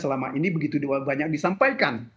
selama ini begitu banyak disampaikan